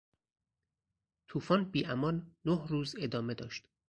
توفان بی امان نه روز ادامه داشت.